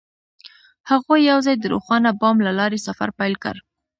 هغوی یوځای د روښانه بام له لارې سفر پیل کړ.